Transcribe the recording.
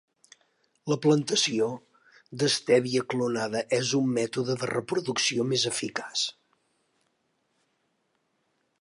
La plantació d'estèvia clonada és un mètode de reproducció més eficaç.